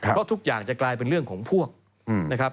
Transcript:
เพราะทุกอย่างจะกลายเป็นเรื่องของพวกนะครับ